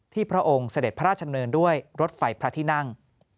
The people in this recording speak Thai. พระองค์เสด็จพระราชดำเนินด้วยรถไฟพระที่นั่ง